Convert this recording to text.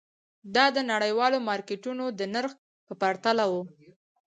دا د نړیوالو مارکېټونو د نرخ په پرتله وو.